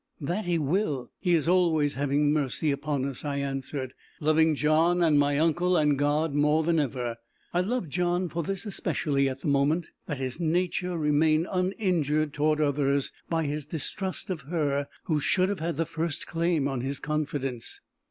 "That he will! He is always having mercy upon us!" I answered, loving John and my uncle and God more than ever. I loved John for this especially, at the moment that his nature remained uninjured toward others by his distrust of her who should have had the first claim on his confidence.